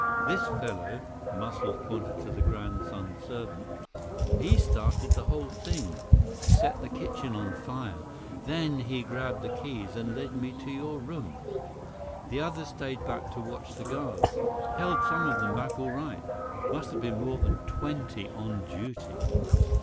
This fellow," Muscles pointed to the grandson servant, "he started the whole thing. Set the kitchen on fire. Then he grabbed the keys, and led me to your room. The others stayed back to watch the guards. Held some of them back all right. Must have been more than twenty on duty."